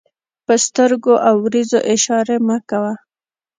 په سترګو او وريځو اشارې مه کوئ!